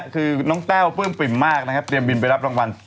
คือน้องแต้วปลื้มปิ่มมากนะครับเตรียมบินไปรับรางวัล